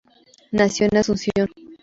Nació en Asunción.